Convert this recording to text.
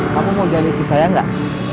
kamu mau jadi istri saya nggak